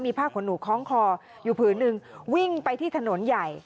ผ้าขนหนูคล้องคออยู่ผืนหนึ่งวิ่งไปที่ถนนใหญ่